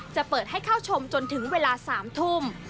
จะเปิดให้เข้าชมจนถึงเวลา๓ทุ่ม